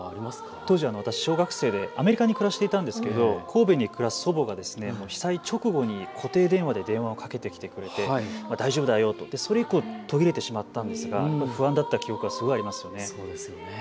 当時、私は小学生でアメリカに暮らしていたんですけど、神戸に暮らす祖母が被災直後に固定電話で電話をかけてくれて、大丈夫だよと、それ以降途切れてしまったんですが不安だった記憶はすごくありますね。